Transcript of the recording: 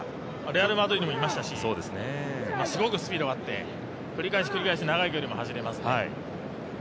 レアル・マドリードにもいましたしすごくスピードがあって、繰り返し繰り返し長い距離も走れますね。